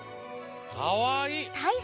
かわいい！